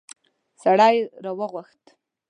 سړی يې راوغوښت.